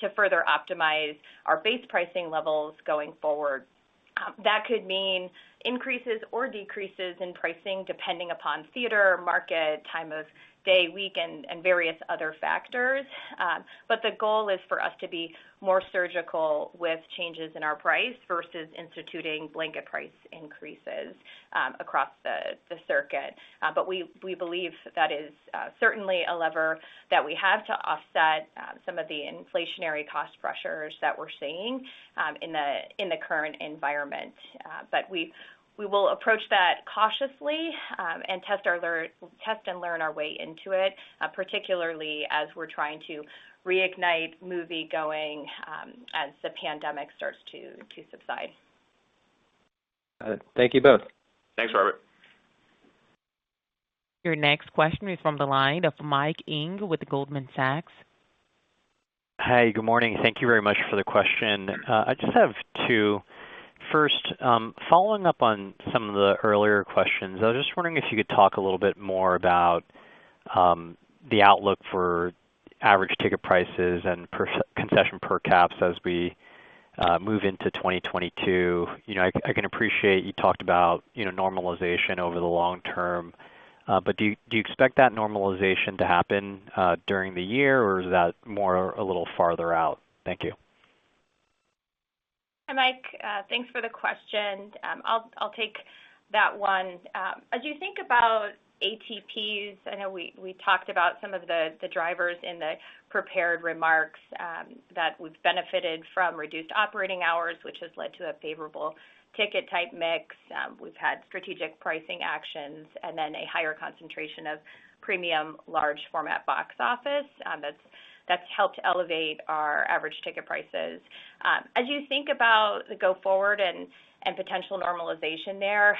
Speaker 4: to further optimize our base pricing levels going forward. That could mean increases or decreases in pricing depending upon theater, market, time of day, week, and various other factors. The goal is for us to be more surgical with changes in our price versus instituting blanket price increases across the circuit. We believe that is certainly a lever that we have to offset some of the inflationary cost pressures that we're seeing in the current environment. We will approach that cautiously and test and learn our way into it, particularly as we're trying to reignite moviegoing as the pandemic starts to subside.
Speaker 8: Got it. Thank you both.
Speaker 3: Thanks, Robert.
Speaker 1: Your next question is from the line of Mike Ng with Goldman Sachs.
Speaker 9: Hi, good morning. Thank you very much for the question. I just have two. First, following up on some of the earlier questions, I was just wondering if you could talk a little bit more about the outlook for average ticket prices and concessions per caps as we move into 2022. You know, I can appreciate you talked about, you know, normalization over the long term, but do you expect that normalization to happen during the year, or is that more a little farther out? Thank you.
Speaker 4: Hi, Mike, thanks for the question. I'll take that one. As you think about ATPs, I know we talked about some of the drivers in the prepared remarks that we've benefited from reduced operating hours, which has led to a favorable ticket type mix. We've had strategic pricing actions and then a higher concentration of premium large format box office, that's helped elevate our average ticket prices. As you think about the go forward and potential normalization there,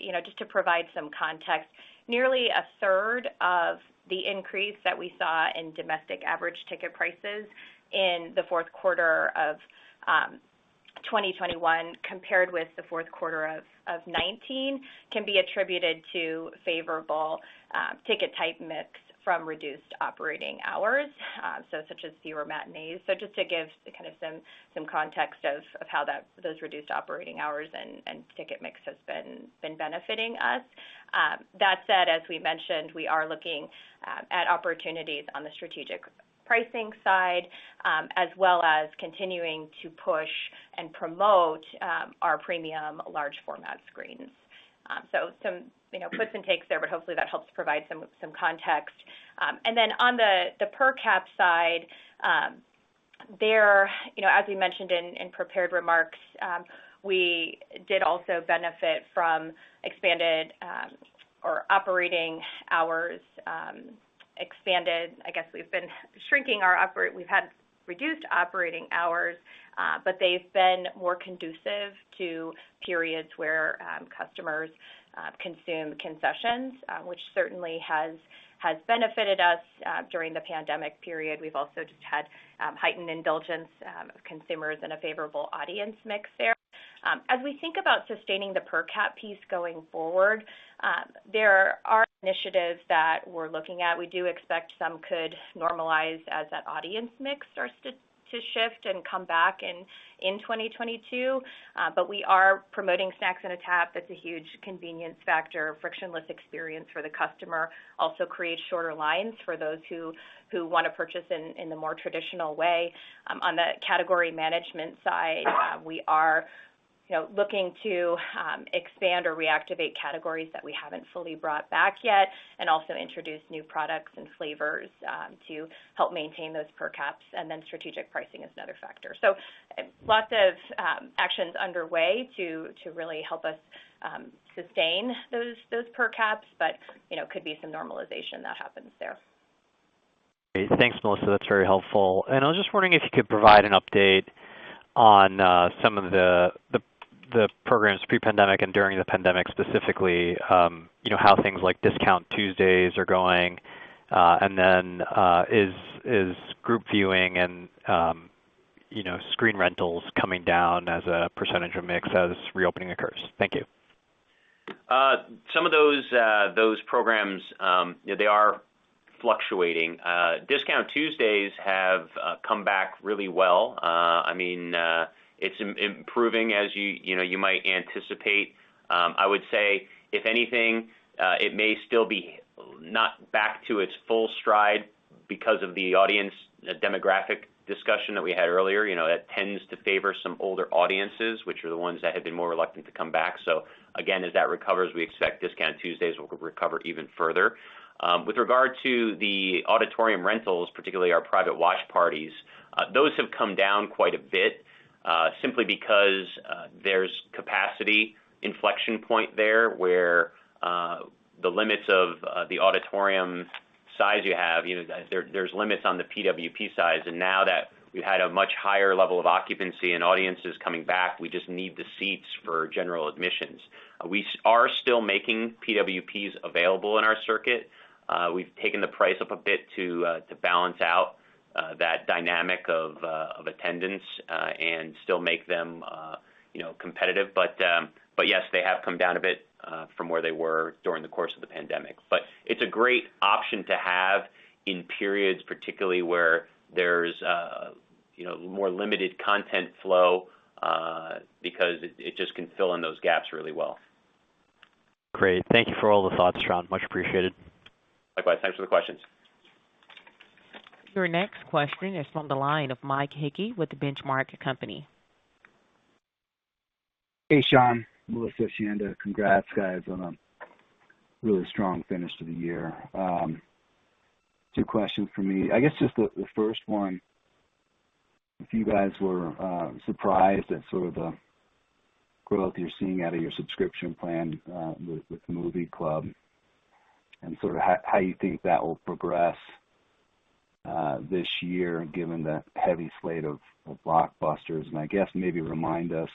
Speaker 4: you know, just to provide some context, nearly a third of the increase that we saw in domestic average ticket prices in the fourth quarter of 2021 compared with the fourth quarter of 2019 can be attributed to favorable ticket type mix from reduced operating hours, such as zero matinees. Just to give kind of some context of how those reduced operating hours and ticket mix has been benefiting us. That said, as we mentioned, we are looking at opportunities on the strategic pricing side, as well as continuing to push and promote our premium large format screens. Some you know, puts and takes there, but hopefully that helps provide some context. On the per cap side, there you know, as we mentioned in prepared remarks, we did also benefit from reduced operating hours, but they've been more conducive to periods where customers consume concessions, which certainly has benefited us during the pandemic period. We've also just had heightened indulgence of consumers and a favorable audience mix there. As we think about sustaining the per cap piece going forward, there are initiatives that we're looking at. We do expect some could normalize as that audience mix starts to shift and come back in 2022. We are promoting Snacks in a Tap. That's a huge convenience factor, frictionless experience for the customer, also creates shorter lines for those who wanna purchase in the more traditional way. On the category management side, we are you know looking to expand or reactivate categories that we haven't fully brought back yet, and also introduce new products and flavors to help maintain those per caps. Strategic pricing is another factor. Lots of actions underway to really help us sustain those per caps, but you know, could be some normalization that happens there.
Speaker 9: Great. Thanks, Melissa. That's very helpful. I was just wondering if you could provide an update on some of the programs pre-pandemic and during the pandemic specifically, you know, how things like Discount Tuesdays are going. And then, is group viewing and, you know, screen rentals coming down as a percentage of mix as reopening occurs? Thank you.
Speaker 3: Some of those programs, you know, they are fluctuating. Discount Tuesdays have come back really well. I mean, it's improving as you know you might anticipate. I would say, if anything, it may still be not back to its full stride because of the audience demographic discussion that we had earlier. You know, that tends to favor some older audiences, which are the ones that have been more reluctant to come back. Again, as that recovers, we expect Discount Tuesdays will recover even further. With regard to the auditorium rentals, particularly our private watch parties, those have come down quite a bit, simply because there's a capacity inflection point there where the limits of the auditorium size you have, you know, there's limits on the PWP size. Now that we had a much higher level of occupancy and audiences coming back, we just need the seats for general admissions. We are still making PWPs available in our circuit. We've taken the price up a bit to balance out that dynamic of attendance and still make them you know, competitive. Yes, they have come down a bit from where they were during the course of the pandemic. It's a great option to have in periods, particularly where there's you know, more limited content flow because it just can fill in those gaps really well.
Speaker 9: Great. Thank you for all the thoughts, Sean. Much appreciated.
Speaker 3: Likewise. Thanks for the questions.
Speaker 1: Your next question is from the line of Mike Hickey with The Benchmark Company.
Speaker 10: Hey, Sean, Melissa, Chanda. Congrats, guys, on a really strong finish to the year. Two questions from me. I guess just the first one, if you guys were surprised at sort of the growth you're seeing out of your subscription plan with Movie Club, and sort of how you think that will progress this year, given the heavy slate of blockbusters. I guess maybe remind us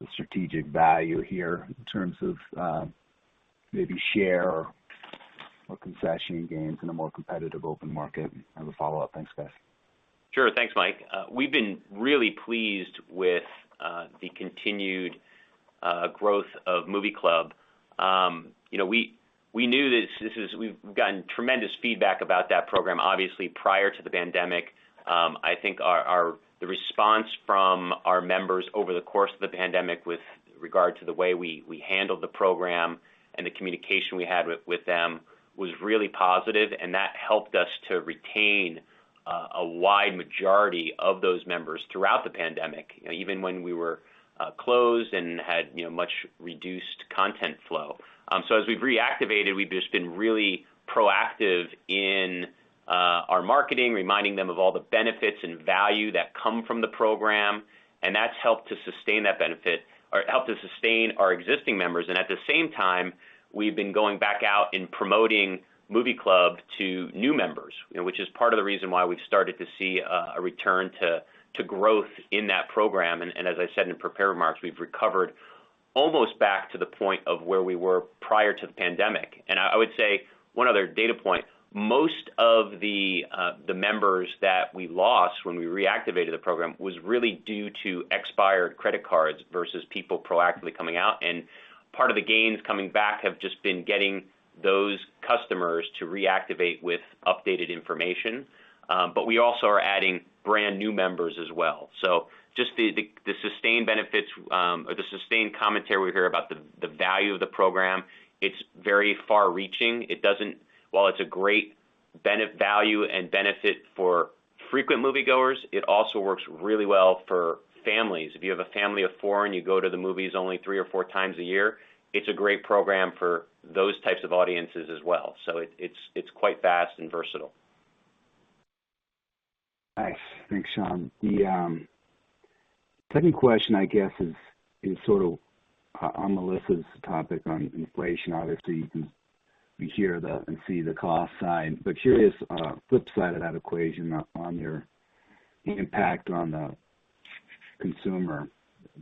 Speaker 10: the strategic value here in terms of maybe share or concession gains in a more competitive open market. I have a follow-up. Thanks, guys.
Speaker 3: Sure. Thanks, Mike. We've been really pleased with the continued growth of Movie Club. You know, we knew this. We've gotten tremendous feedback about that program, obviously, prior to the pandemic. I think the response from our members over the course of the pandemic with regard to the way we handled the program and the communication we had with them was really positive, and that helped us to retain a wide majority of those members throughout the pandemic, you know, even when we were closed and had much reduced content flow. As we've reactivated, we've just been really proactive in our marketing, reminding them of all the benefits and value that come from the program, and that's helped to sustain our existing members. At the same time, we've been going back out and promoting Movie Club to new members, you know, which is part of the reason why we've started to see a return to growth in that program. As I said in prepared remarks, we've recovered almost back to the point of where we were prior to the pandemic. I would say one other data point, most of the members that we lost when we reactivated the program was really due to expired credit cards versus people proactively coming out. Part of the gains coming back have just been getting those customers to reactivate with updated information. We also are adding brand new members as well. Just the sustained benefits or the sustained commentary we hear about the value of the program. It's very far reaching. While it's a great value and benefit for frequent moviegoers, it also works really well for families. If you have a family of four and you go to the movies only three or four times a year, it's a great program for those types of audiences as well. It's quite vast and versatile.
Speaker 10: Nice. Thanks, Sean. The second question, I guess, is sort of on Melissa's topic on inflation. Obviously, you hear and see the cost side, but curious, flip side of that equation on your impact on the consumer,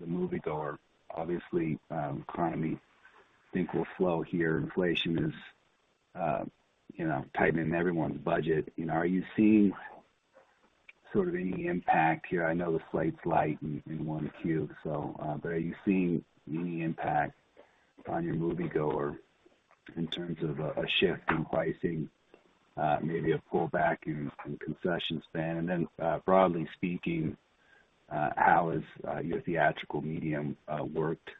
Speaker 10: the moviegoer. Obviously, the economy, I think will slow here. Inflation is, you know, tightening everyone's budget. You know, are you seeing sort of any impact here? I know the slate's light in Q1, so, but are you seeing any impact on your moviegoer in terms of a shift in pricing, maybe a pullback in concession spend? Broadly speaking, how has your theatrical medium worked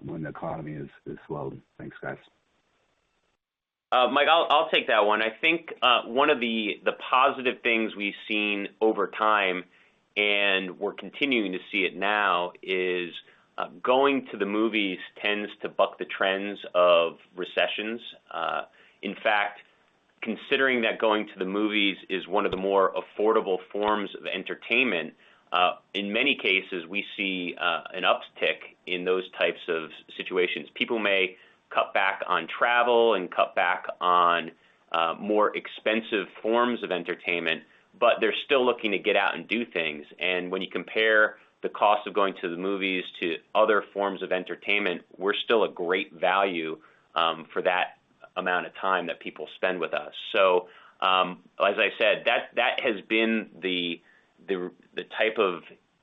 Speaker 10: when the economy is slowing? Thanks, guys.
Speaker 3: Mike, I'll take that one. I think one of the positive things we've seen over time, and we're continuing to see it now, is going to the movies tends to buck the trends of recessions. In fact, considering that going to the movies is one of the more affordable forms of entertainment, in many cases, we see an uptick in those types of situations. People may cut back on travel and cut back on more expensive forms of entertainment, but they're still looking to get out and do things. When you compare the cost of going to the movies to other forms of entertainment, we're still a great value for that amount of time that people spend with us. As I said, that has been the type of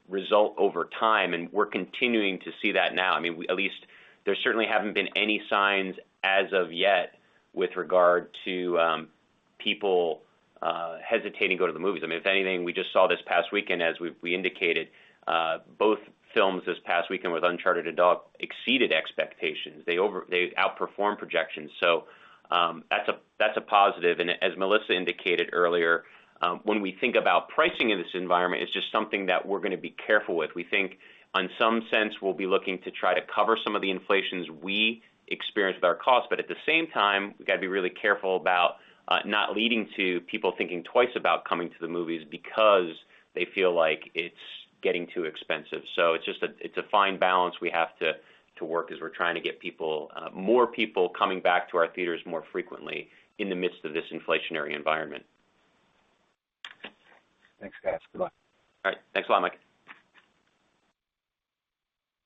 Speaker 3: result over time, and we're continuing to see that now. I mean, at least there certainly haven't been any signs as of yet with regard to people hesitating to go to the movies. I mean, if anything, we just saw this past weekend, as we've indicated, both films this past weekend with Uncharted and Dog exceeded expectations. They outperformed projections. That's a positive. And as Melissa indicated earlier, when we think about pricing in this environment, it's just something that we're gonna be careful with. We think in some sense, we'll be looking to try to cover some of the inflation we experience with our costs, but at the same time, we've got to be really careful about not leading to people thinking twice about coming to the movies because they feel like it's getting too expensive. It's just a fine balance we have to work as we're trying to get people more people coming back to our theaters more frequently in the midst of this inflationary environment.
Speaker 10: Thanks, guys. Good luck.
Speaker 3: All right. Thanks a lot, Mike.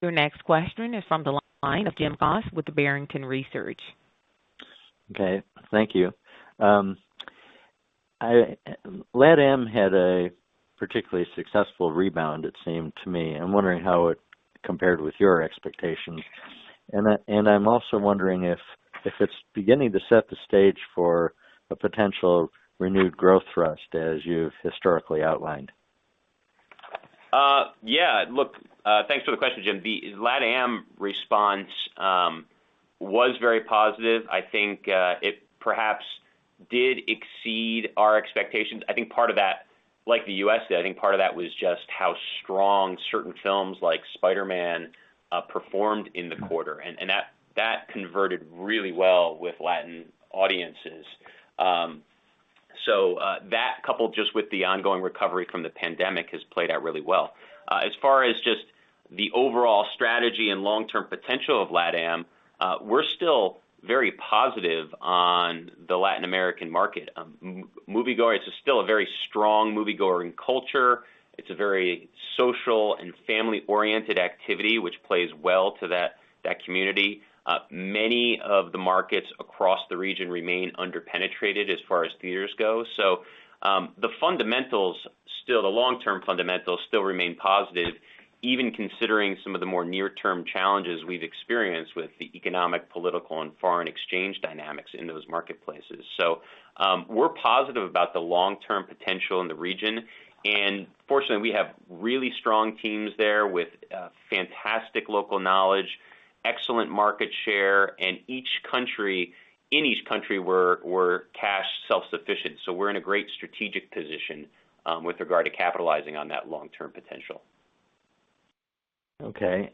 Speaker 1: Your next question is from the line of Jim Goss with the Barrington Research.
Speaker 11: Okay, thank you. LATAM had a particularly successful rebound, it seemed to me. I'm wondering how it compared with your expectations. I'm also wondering if it's beginning to set the stage for a potential renewed growth thrust as you've historically outlined.
Speaker 3: Yeah, look, thanks for the question, Jim. The LATAM response was very positive. I think it perhaps did exceed our expectations. I think part of that, like the U.S., I think part of that was just how strong certain films like Spider-Man performed in the quarter. And that converted really well with Latin audiences. So that coupled just with the ongoing recovery from the pandemic has played out really well. As far as just the overall strategy and long-term potential of LATAM, we're still very positive on the Latin American market. Moviegoers, it's still a very strong moviegoing culture. It's a very social and family-oriented activity, which plays well to that community. Many of the markets across the region remain under-penetrated as far as theaters go. The fundamentals, the long-term fundamentals remain positive, even considering some of the more near-term challenges we've experienced with the economic, political, and foreign exchange dynamics in those marketplaces. We're positive about the long-term potential in the region, and fortunately, we have really strong teams there with fantastic local knowledge, excellent market share, and in each country, we're cash self-sufficient. We're in a great strategic position with regard to capitalizing on that long-term potential.
Speaker 11: Okay.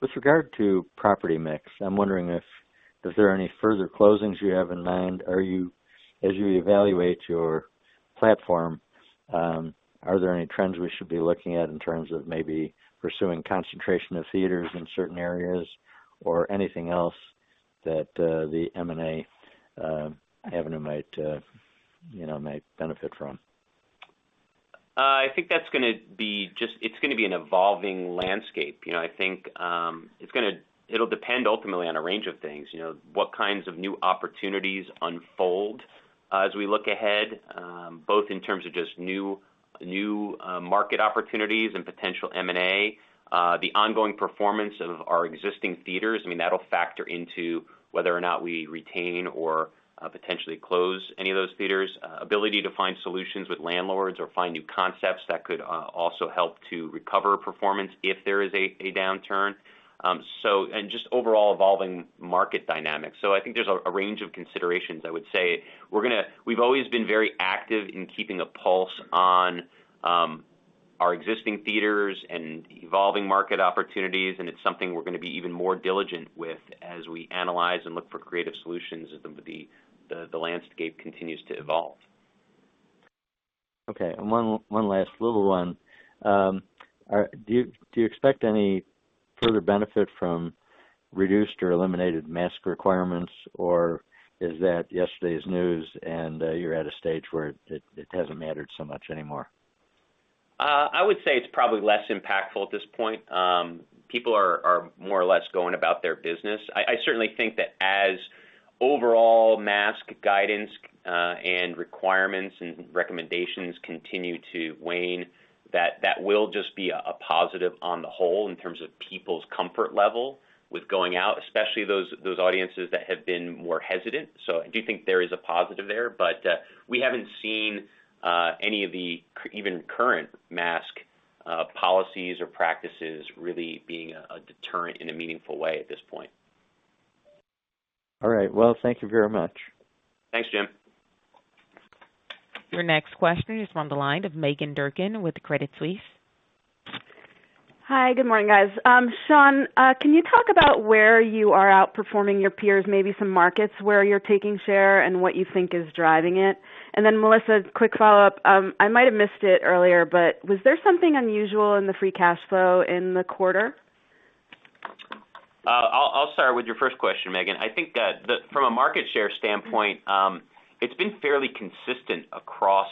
Speaker 11: With regard to property mix, I'm wondering if, is there any further closings you have in mind? As you evaluate your platform, are there any trends we should be looking at in terms of maybe pursuing concentration of theaters in certain areas or anything else that the M&A avenue might benefit from?
Speaker 3: I think it's gonna be an evolving landscape. You know, I think it'll depend ultimately on a range of things. You know, what kinds of new opportunities unfold as we look ahead, both in terms of just new market opportunities and potential M&A, the ongoing performance of our existing theaters. I mean, that'll factor into whether or not we retain or potentially close any of those theaters, ability to find solutions with landlords or find new concepts that could also help to recover performance if there is a downturn, and just overall evolving market dynamics. So I think there's a range of considerations, I would say. We've always been very active in keeping a pulse on our existing theaters and evolving market opportunities, and it's something we're gonna be even more diligent with as we analyze and look for creative solutions as the landscape continues to evolve.
Speaker 11: Okay. One last little one. Do you expect any further benefit from reduced or eliminated mask requirements, or is that yesterday's news and you're at a stage where it hasn't mattered so much anymore?
Speaker 3: I would say it's probably less impactful at this point. People are more or less going about their business. I certainly think that as overall mask guidance and requirements and recommendations continue to wane, that will just be a positive on the whole in terms of people's comfort level with going out, especially those audiences that have been more hesitant. I do think there is a positive there, but we haven't seen any of the even current mask policies or practices really being a deterrent in a meaningful way at this point.
Speaker 11: All right. Well, thank you very much.
Speaker 3: Thanks, Jim.
Speaker 1: Your next question is from the line of Meghan Durkin with Credit Suisse.
Speaker 12: Hi. Good morning, guys. Sean, can you talk about where you are outperforming your peers, maybe some markets where you're taking share and what you think is driving it? Melissa, quick follow-up. I might have missed it earlier, but was there something unusual in the free cash flow in the quarter?
Speaker 3: I'll start with your first question, Meghan. I think that from a market share standpoint, it's been fairly consistent across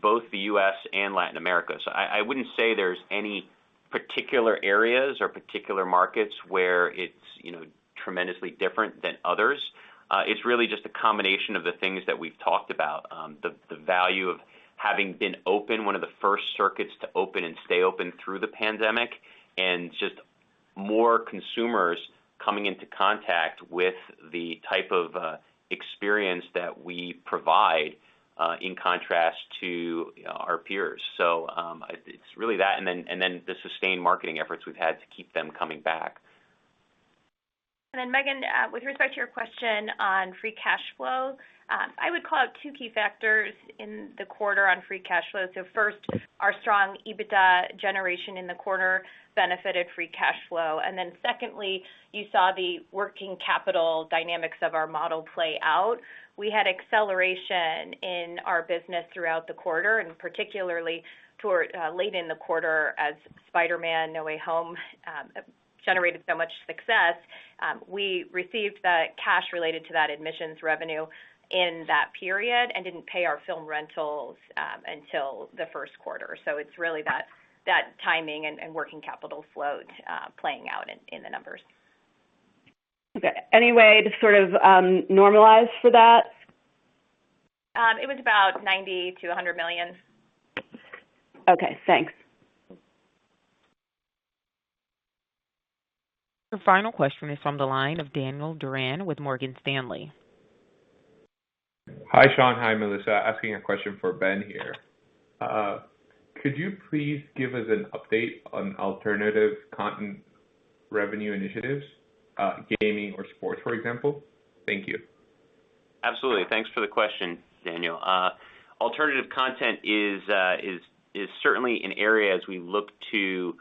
Speaker 3: both the U.S. and Latin America. I wouldn't say there's any particular areas or particular markets where it's, you know, tremendously different than others. It's really just a combination of the things that we've talked about, the value of having been open, one of the first circuits to open and stay open through the pandemic, and just more consumers coming into contact with the type of experience that we provide, in contrast to, you know, our peers. It's really that and then the sustained marketing efforts we've had to keep them coming back.
Speaker 4: Then Meghan, with respect to your question on free cash flow, I would call out two key factors in the quarter on free cash flow. First, our strong EBITDA generation in the quarter benefited free cash flow. Then secondly, you saw the working capital dynamics of our model play out. We had acceleration in our business throughout the quarter, and particularly toward late in the quarter as Spider-Man: No Way Home generated so much success. We received the cash related to that admissions revenue in that period and didn't pay our film rentals until the first quarter. It's really that timing and working capital flow playing out in the numbers.
Speaker 12: Okay. Any way to sort of, normalize for that?
Speaker 4: It was about $90 million-$100 million.
Speaker 12: Okay, thanks.
Speaker 1: Your final question is from the line of Daniel Duran with Morgan Stanley.
Speaker 13: Hi, Sean. Hi, Melissa. Asking a question for Ben here. Could you please give us an update on alternative content revenue initiatives, gaming or sports, for example? Thank you.
Speaker 3: Absolutely. Thanks for the question, Daniel. Alternative content is certainly an area as we look to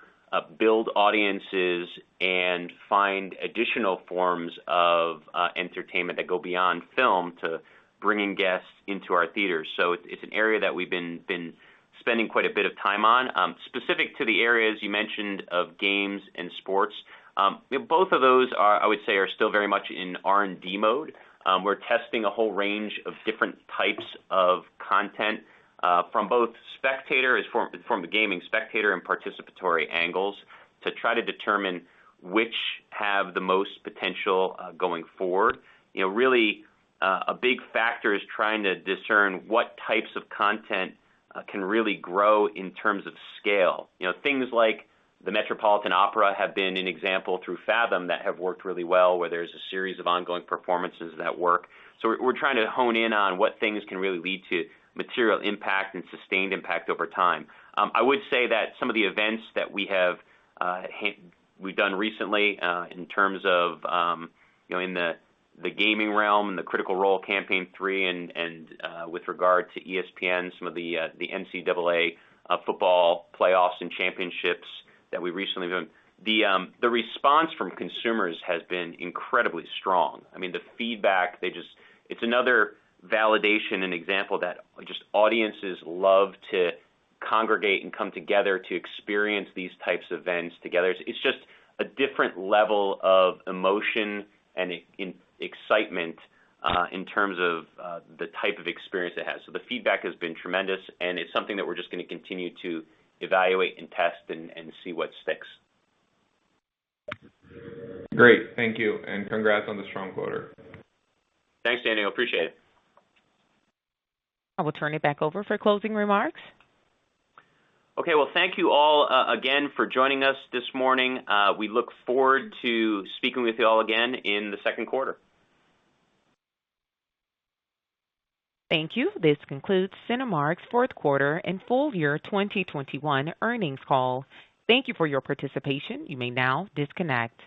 Speaker 3: build audiences and find additional forms of entertainment that go beyond film to bringing guests into our theaters. It's an area that we've been spending quite a bit of time on. Specific to the areas you mentioned of games and sports, both of those are, I would say, still very much in R&D mode. We're testing a whole range of different types of content from a gaming spectator and participatory angles to try to determine which have the most potential going forward. You know, really, a big factor is trying to discern what types of content can really grow in terms of scale. You know, things like the Metropolitan Opera have been an example through Fathom that have worked really well, where there's a series of ongoing performances that work. We're trying to hone in on what things can really lead to material impact and sustained impact over time. I would say that some of the events that we have, we've done recently, in terms of, in the gaming realm and the Critical Role Campaign 3 and, with regard to ESPN, some of the NCAA football playoffs and championships that we recently done. The response from consumers has been incredibly strong. I mean, the feedback, they just. It's another validation and example that just audiences love to congregate and come together to experience these types of events together. It's just a different level of emotion and excitement, in terms of, the type of experience it has. The feedback has been tremendous, and it's something that we're just gonna continue to evaluate and test and see what sticks.
Speaker 13: Great. Thank you, and congrats on the strong quarter.
Speaker 3: Thanks, Daniel. I appreciate it.
Speaker 1: I will turn it back over for closing remarks.
Speaker 3: Okay. Well, thank you all, again for joining us this morning. We look forward to speaking with you all again in the second quarter.
Speaker 1: Thank you. This concludes Cinemark's fourth quarter and full year 2021 earnings call. Thank you for your participation. You may now disconnect.